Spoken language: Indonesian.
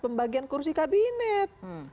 pembagian kursi kabinet